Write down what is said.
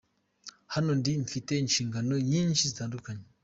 Hano ndi mfite ishingano nyishi zitandukanye.